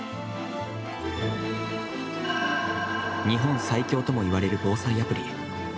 「日本最強」とも言われる防災アプリ。